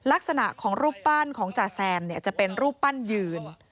ลักษณะของรูปปั้นของจ่าแซมจะเป็นรูปปั้นยืน